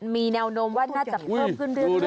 มีแนวนมว่าน่าจะเพิ่มขึ้นด้วย